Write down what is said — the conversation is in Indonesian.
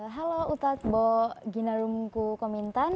halo utadbo ginarumku komintan